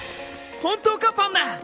本当かパンナ！